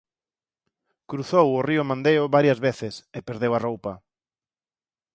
Cruzou o río Mandeo varias veces e perdeu a roupa.